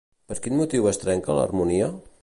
Per quin motiu es trenca l'harmonia?